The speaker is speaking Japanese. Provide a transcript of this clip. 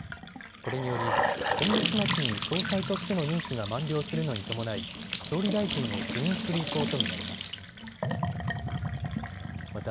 これにより今月末に総裁としての任期が満了するのに伴い総理大臣を辞任する意向と見られます。